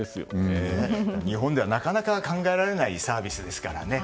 日本ではなかなか考えられないサービスですからね。